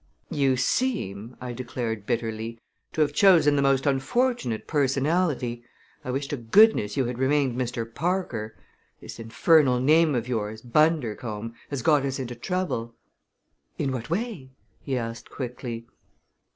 "You seem," I declared bitterly, "to have chosen the most unfortunate personality! I wish to goodness you had remained Mr. Parker! This infernal name of yours, Bundercombe, has got us into trouble." "In what way?" he asked quickly.